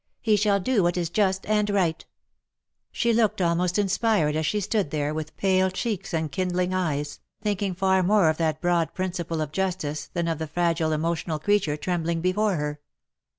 He shall do what is just and right/' She looked almost inspired as she stood there with pale cheeks and kindling eyes, thinking far more of that broad principle of justice than of the fragile emotional creature trembling before her.